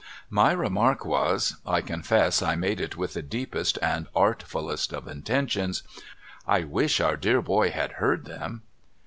My remark was — I confess I made it with the deepest and art fullest of intentions —' I wish our dear boy had heard them